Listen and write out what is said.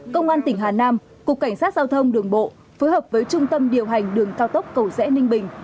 công an tỉnh hà nam cục cảnh sát giao thông đường bộ phối hợp với trung tâm điều hành đường cao tốc cầu rẽ ninh bình